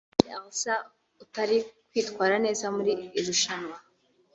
Miss Elsa utari kwitwara neza muri irushanwa